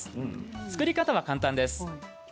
作り方は簡単です。